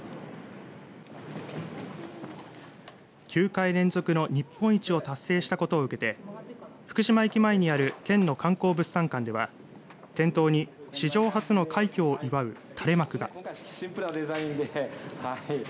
９回連続の日本一を達成したことを受けて福島駅前にある県の観光物産館では店頭に、史上初の快挙を祝う垂れ幕が。